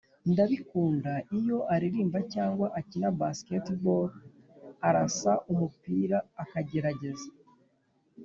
ndabikunda iyo aririmba cyangwa akina basketball, arasa umupira akagerageza